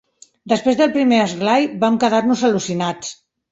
Després del primer esglai, vam quedar-nos al·lucinats.